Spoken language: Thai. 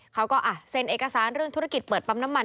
เขาก็เซ็นเอกสารเรื่องธุรกิจเปิดปั๊มน้ำมัน